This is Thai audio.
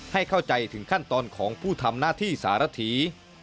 ให้เข้าใจถึงขั้นตอนของผู้ทำหน้าที่สารถี